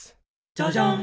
「ジャジャン」